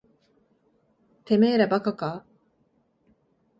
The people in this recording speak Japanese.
てめえら馬鹿か。